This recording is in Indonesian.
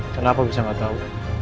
kenapa bisa gak tau